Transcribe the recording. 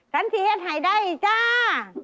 ทันทีให้ให้ได้จ้า